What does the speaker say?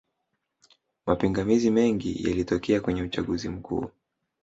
mapingamizi mengi yalitokea kwenye uchaguzi mkuu